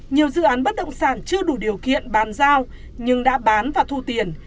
nhiều dự án bất động sản chưa đủ điều kiện bàn giao nhưng đã bán và thu tiền